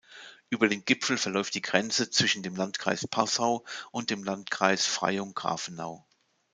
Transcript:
Über den Gipfel verläuft die Grenze zwischen dem Landkreis Passau und dem Landkreis Freyung-Grafenau.